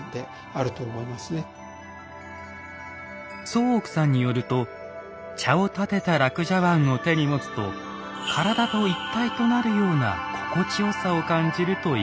宗屋さんによると茶をたてた樂茶碗を手に持つと体と一体となるような心地よさを感じるといいます。